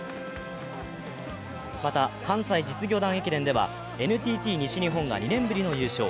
また、関西実業団駅伝ではＮＴＴ西日本が２年ぶりの優勝。